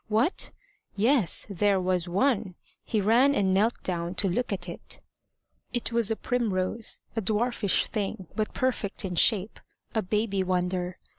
What? Yes! There was one! He ran and knelt down to look at it. It was a primrose a dwarfish thing, but perfect in shape a baby wonder.